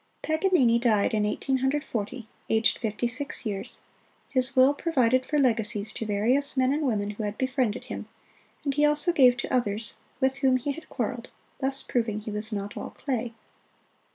Paganini died in Eighteen Hundred Forty, aged fifty six years. His will provided for legacies to various men and women who had befriended him, and he also gave to others with whom he had quarreled, thus proving he was not all clay.